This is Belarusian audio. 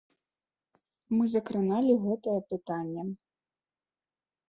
Мы закраналі гэтае пытанне.